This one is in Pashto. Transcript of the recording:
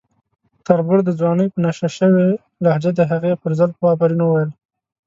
تربور د ځوانۍ په نشه شوې لهجه د هغې پر زلفو افرین وویل.